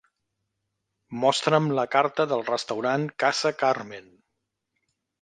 Mostra'm la carta del restaurant Casa Carmen.